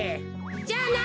じゃあな！